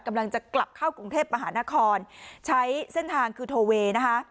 กำลังจะกลับเข้ากรุงเทพมหานครใช้เส้นทางคือโทเวย์นะคะ